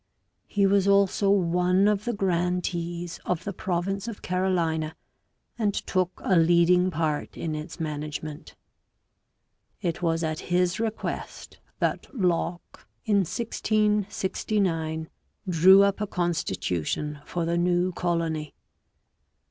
He was also one of the grantees of the province of Carolina and took a leading part in its management; it was at his request that Locke in 1669 drew ŌĆó up a constitution for the new colony.